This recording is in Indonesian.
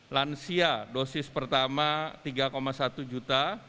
lansia dosis pertama tiga satu juta